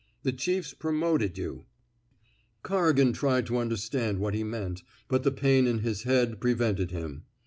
The chief's promoted you/' Corrigan tried to understand what he meant, but the pain in his head prevented him.